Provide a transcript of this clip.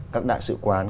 các đại sứ quán